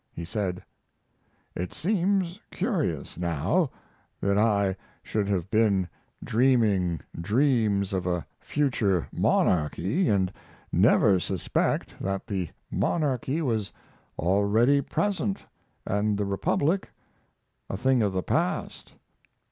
He said: "It seems curious now that I should have been dreaming dreams of a future monarchy and never suspect that the monarchy was already present and the Republic a thing of the past."